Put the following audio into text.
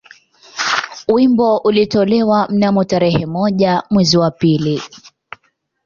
Wimbo ulitolewa mnamo tarehe moja mwezi wa pili